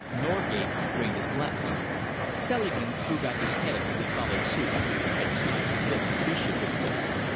Norgate drained his glass. Selingman threw back his head as he followed suit, and smacked his lips appreciatively.